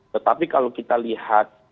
tetapi kalau kita lihat